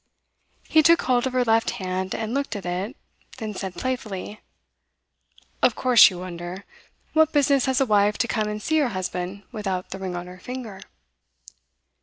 He took hold of her left hand, and looked at it, then said playfully: 'Of course you wonder. What business has a wife to come and see her husband without the ring on her finger?